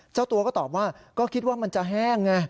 เจ้าตัวก็ตอบว่าก็คิดว่ามันจะแห้งไง